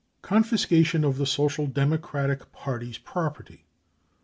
Confiscation of the Social Democratic Party's Property.